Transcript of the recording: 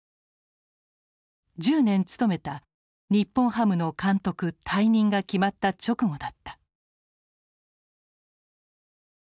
１０年務めた日本ハムの監督退任が決まった直後だった。